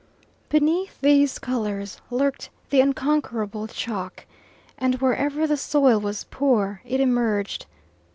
Beneath these colours lurked the unconquerable chalk, and wherever the soil was poor it emerged.